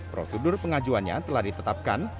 prosedur pengajuannya telah ditetapkan